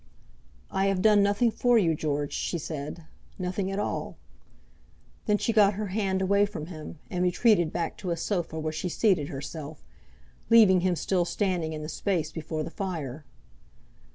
"I have done nothing for you, George," she said, "nothing at all." Then she got her hand away from him, and retreated back to a sofa where she seated herself, leaving him still standing in the space before the fire.